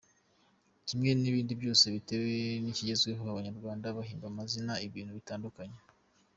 Kimwe n’ibindi byose, bitewe n’ikigezweho, Abanyarwanda bahimba amazina ibintu bitandukanye.